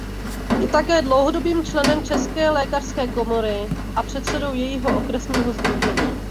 Je také dlouhodobým členem České lékařské komory a předsedou jejího okresního sdružení.